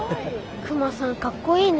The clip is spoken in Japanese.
クマさんかっこいいね。